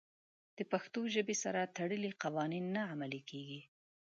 د پښتو ژبې سره تړلي قوانین نه عملي کېږي.